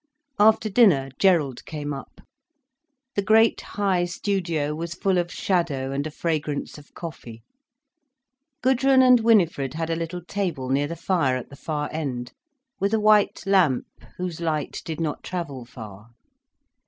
After dinner Gerald came up. The great high studio was full of shadow and a fragrance of coffee. Gudrun and Winifred had a little table near the fire at the far end, with a white lamp whose light did not travel far.